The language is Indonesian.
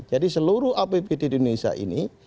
jadi seluruh apbd di indonesia ini